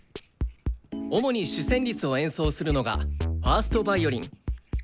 主に主旋律を演奏するのが１ｓｔヴァイオリン。